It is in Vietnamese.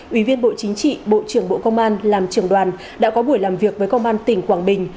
ủy viên bộ chính trị bộ trưởng bộ công an làm trưởng đoàn đã có buổi làm việc với công an tỉnh quảng bình